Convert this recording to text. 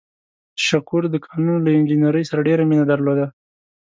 شکور د کانونو له انجنیرۍ سره ډېره مینه درلوده.